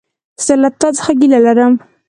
زه له تا څخه ګيله لرم!